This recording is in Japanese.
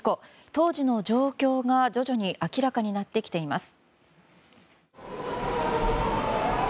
当時の状況が徐々に明らかになってきています。